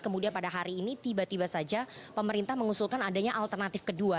kemudian pada hari ini tiba tiba saja pemerintah mengusulkan adanya alternatif kedua